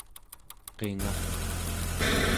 qingaq